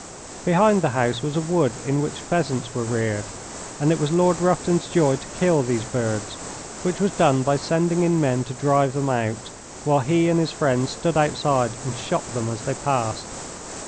Behind the house was a wood in which pheasants were reared, and it was Lord Rufton's joy to kill these birds, which was done by sending in men to drive them out while he and his friends stood outside and shot them as they passed.